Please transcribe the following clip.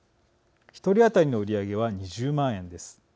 １人当たりの売り上げは２０万円です。